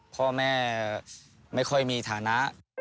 พ่อแม่ไม่ค่อยมีฐานะ